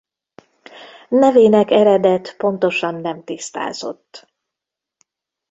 Nevének eredet pontosan nem tisztázott.